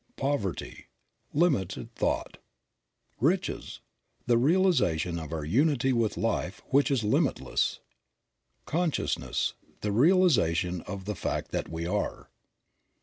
v Poverty. — Limited thought. V Riches. — The realization of our unity with life, which is v limitless. j Consciousness. — The realization of the fact that we are.